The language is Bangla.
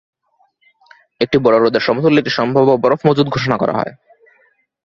একটি বড় হ্রদের সমতুল্য একটি সম্ভাব্য বরফ মজুত ঘোষণা করা হয়।